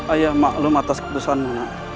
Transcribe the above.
ayah maklum atas keputusanmu